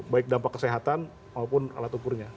baik dampak kesehatan maupun alat ukurnya